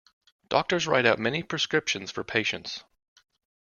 Doctor's write out many prescriptions for patients.